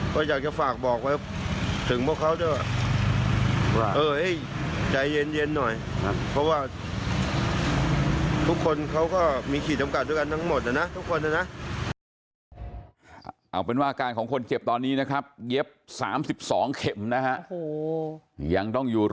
ก็อยากจะฝากบอกถึงพวกเขาด้วยใจเย็นหน่อย